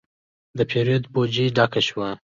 د پیرود بوجي ډکه شوه.